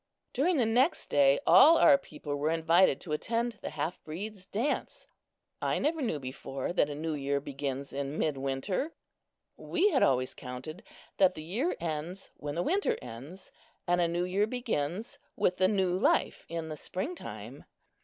During the next day all our people were invited to attend the half breeds' dance. I never knew before that a new year begins in mid winter. We had always counted that the year ends when the winter ends, and a new year begins with the new life in the springtime.